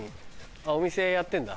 お店やってんだ。